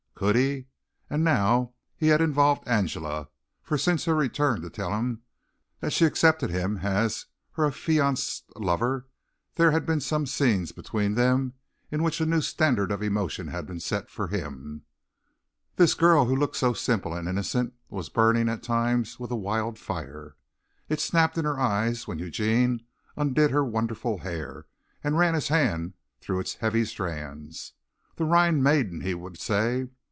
Could he? And now he had involved Angela, for since her return to tell him that she accepted him as her affianced lover, there had been some scenes between them in which a new standard of emotion had been set for him. This girl who looked so simple and innocent was burning at times with a wild fire. It snapped in her eyes when Eugene undid her wonderful hair and ran his hands through its heavy strands. "The Rhine Maiden," he would say.